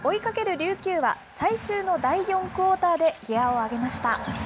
琉球は、最終の第４クオーターでギアを上げました。